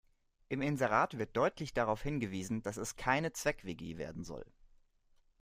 Im Inserat wird deutlich darauf hingewiesen, dass es keine Zweck-WG werden soll.